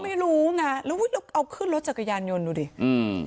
ไม่รู้ไงแล้วอุ้ยแล้วเอาขึ้นรถจักรยานยนต์ดูดิอืม